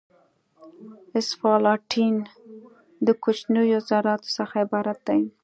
اسفالټین د کوچنیو ذراتو څخه عبارت دی